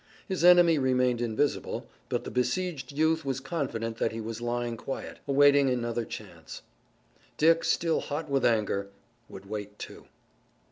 His enemy remained invisible, but the besieged youth was confident that he was lying quiet, awaiting another chance. Dick, still hot with anger, would wait too.